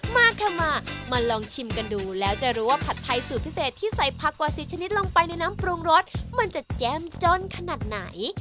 มาค่ะมามาลองชิมกันดูแล้วจะรู้ว่าผัดไทยสูตรพิเศษที่ใส่ผักกว่า๑๐ชนิดลงไปในน้ำปรุงรสมันจะแจ้มจ้นขนาดไหน